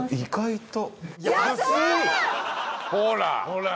ほら。